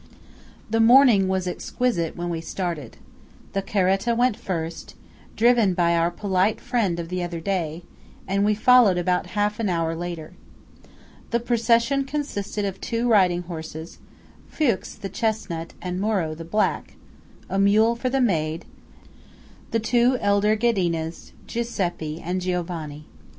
The morning was exquisite when we started. The caretta went first, driven by our polite friend of the other day, and we followed about half an hour later. The procession consisted of two riding horses (Fuchs, the chesnut, and Moro, the black), a mule for the maid, the two elder Ghedinas, Giuseppe, and Giovanni.